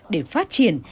để phát triển